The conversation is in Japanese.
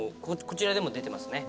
こちらでも出てますね。